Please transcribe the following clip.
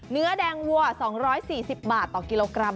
เนื้อแดงวัว๒๔๐บาทต่อกิโลกรัม